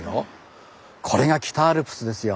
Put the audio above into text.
これが北アルプスですよ。